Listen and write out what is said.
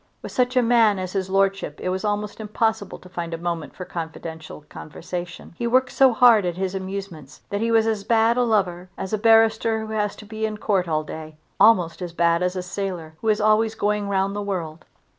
With such a man as his lordship it was almost impossible to find a moment for confidential conversation. He worked so hard at his amusements that he was as bad a lover as a barrister who has to be in Court all day, almost as bad as a sailor who is always going round the world.